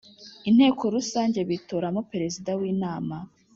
Inteko Rusange bitoramo Perezida w inama